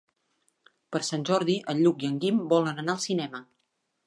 Per Sant Jordi en Lluc i en Guim volen anar al cinema.